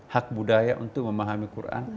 hak budaya untuk memahami quran